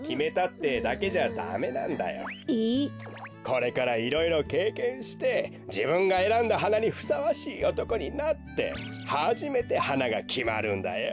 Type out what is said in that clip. これからいろいろけいけんしてじぶんがえらんだはなにふさわしいおとこになってはじめてはながきまるんだよ。